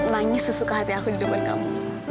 nangis sesuka hati aku di depan kamu